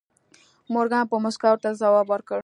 مورګان په موسکا ورته ځواب ورکړ